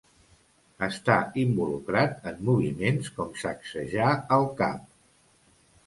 Està involucrat en moviments com sacsejar el cap.